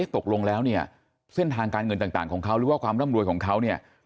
ตกลงแล้วเนี่ยเส้นทางการเงินต่างของเขาหรือว่าความร่ำรวยของเขาเนี่ย